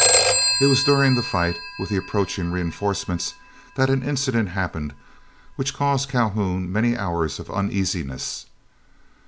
It was during the fight with the approaching reinforcements that an incident happened which caused Calhoun many hours of uneasiness.